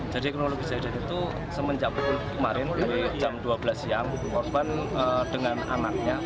jadi ekonomi kejadian itu semenjak kemarin dari jam dua belas siang korban dengan anaknya